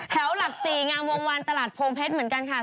หลัก๔งามวงวันตลาดโพงเพชรเหมือนกันค่ะ